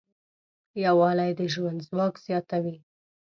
یووالی د ژوند ځواک زیاتوي.